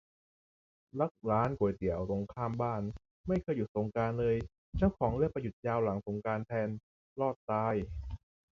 รักร้านก๋วยเตี๋ยวตรงข้ามบ้าน ไม่เคยหยุดสงกรานต์เลย เจ้าของเลือกไปหยุดยาวหลังสงกรานต์แทน รอดตาย